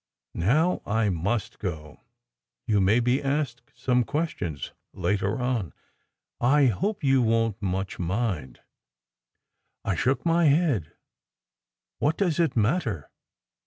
"Now I must go. You may be asked some questions later on. I hope you won t much mind." I shook my head. "What does it matter?